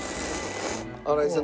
新井さん